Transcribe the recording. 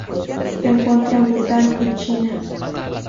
Se encuentran en Bután y China.